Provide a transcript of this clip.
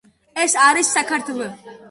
ეს არის საქართვ.